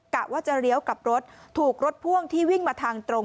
กะว่าจะเลี้ยวกลับรถถูกรถพ่วงที่วิ่งมาทางตรง